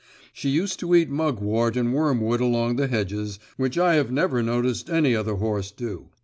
She used to eat mugwort and wormwood along the hedges, which I have never noticed any other horse do.